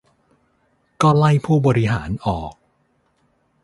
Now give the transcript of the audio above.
ก็ไล่ผู้บริหารออก